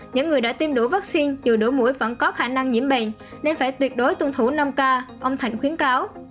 những người đã tiêm đủ vắc xin dù đủ mũi vẫn có khả năng nhiễm bệnh nên phải tuyệt đối tuân thủ năm ca ông thạnh khuyến cáo